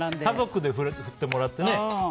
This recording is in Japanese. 家族で振ってもらってね。